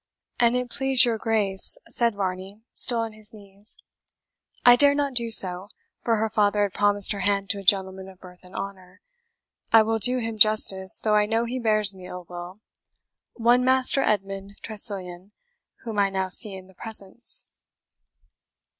"An it please your Grace," said Varney, still on his knees, "I dared not do so, for her father had promised her hand to a gentleman of birth and honour I will do him justice, though I know he bears me ill will one Master Edmund Tressilian, whom I now see in the presence."